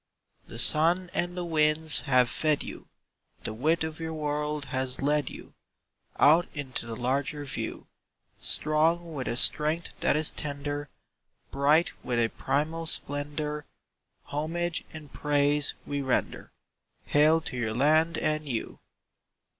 The sun and the winds have fed you; The width of your world has led you Out into the larger view; Strong with a strength that is tender, Bright with a primal splendour, Homage and praise we render— Hail to your land and you!